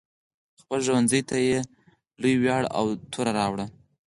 خپل ښوونځي ته یې لوی ویاړ او توره راوړه.